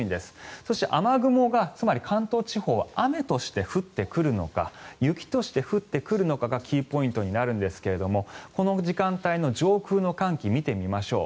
そして、雨雲がつまり関東地方は雨として降ってくるのか雪として降ってくるのかがキーポイントになるんですがこの時間帯の上空の寒気を見てみましょう。